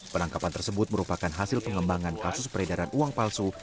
penangkapan tersebut merupakan hasil pengembangan kasus peredaran uang palsu